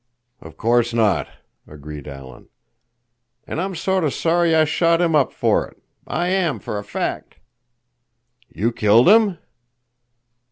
"Of course not," agreed Alan. "And I'm sort of sorry I shot him up for it. I am, for a fact." "You killed him?"